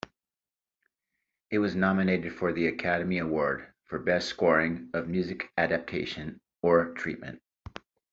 It was nominated for the Academy Award for Best Scoring of Music-Adaptation or Treatment.